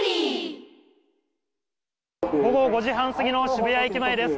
午後５時半過ぎの渋谷駅前です。